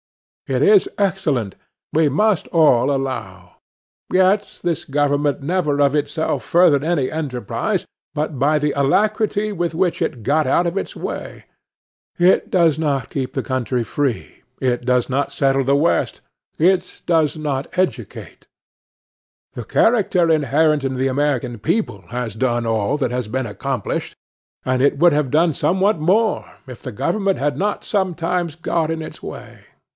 It is excellent, we must all allow; yet this government never of itself furthered any enterprise, but by the alacrity with which it got out of its way. It does not keep the country free. It does not settle the West. It does not educate. The character inherent in the American people has done all that has been accomplished; and it would have done somewhat more, if the government had not sometimes got in its way.